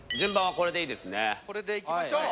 これでいきましょう。